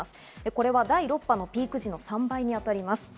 これは第６波のピーク時の３倍に当たります。